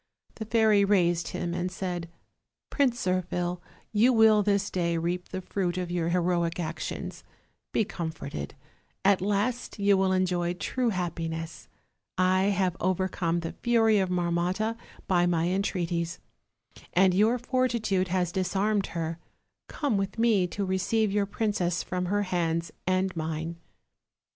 The fairy raised him and said: "Prince Zirphil, you will this day reap the fruit of your heroic actions. Be comforted; at last you will enjoy true happiness. I have overcome the fury of Marmotta by my entreaties, and your fortitude has disarmed her; come with me to receive your princess from her hands and mine."